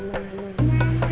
suara apa ya